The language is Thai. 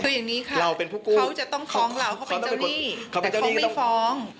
คืออย่างนี้ค่ะเขาจะต้องฟ้องเราเขาเป็นเจ้าหนี้แต่เขาไม่ฟ้อง